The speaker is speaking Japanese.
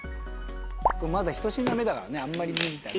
まだ１品目だからねあんまり。